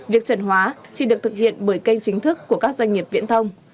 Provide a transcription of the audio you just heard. việc chuẩn hóa chỉ được thực hiện bởi kênh chính thức của các doanh nghiệp viễn thông